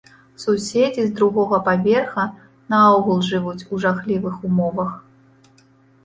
Суседзі з другога паверха наогул жывуць у жахлівых умовах.